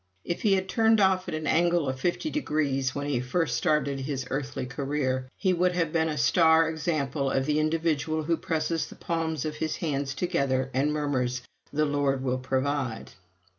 If he had turned off at an angle of fifty degrees when he first started his earthly career, he would have been a star example of the individual who presses the palms of his hands together and murmurs, "The Lord will provide!"